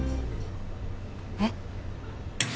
えっ！？